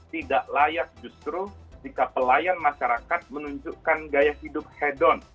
tidak layak justru jika pelayan masyarakat menunjukkan gaya hidup head down